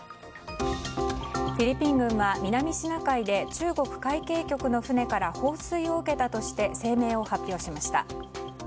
フィリピン軍は、南シナ海で中国海警局の船から放水を受けたとして声明を発表しました。